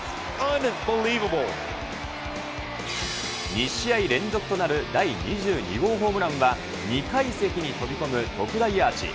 ２試合連続となる第２２号ホームランは、２階席に飛び込む特大アーチ。